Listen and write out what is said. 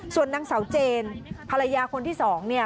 ส่วนนางเสาเจนฮรายาคนที่๒นี่